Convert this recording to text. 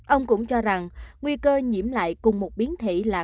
ông cũng cho rằng nguy cơ nhiễm lại cùng một biến thể là